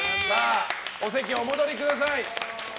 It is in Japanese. お席お戻りください。